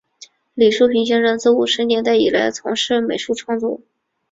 李叔平先生自五十年代起从事美术创作。